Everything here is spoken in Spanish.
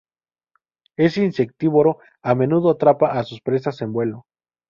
Es insectívoro, a menudo atrapa a sus presas en vuelo.